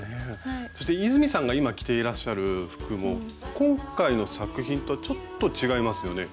そして泉さんが今着ていらっしゃる服も今回の作品とちょっと違いますよね？